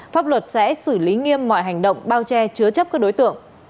pháp luật sẽ xử lý nghiêm mọi hành động bao che chứa chấp các đối tượng